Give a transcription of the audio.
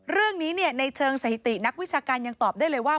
เรื่องนี้ในเชิงสถิตินักวิชาการยังตอบได้เลยว่า